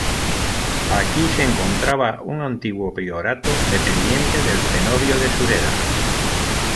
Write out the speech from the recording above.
Aquí se encontraba un antiguo priorato, dependiente del cenobio de Sureda.